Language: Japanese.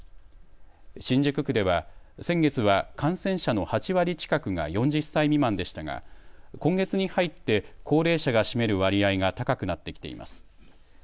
新宿区では、先月は感染者の８割近くが４０歳未満でしたが今月に入って高齢者が占める割合が高くなってきています。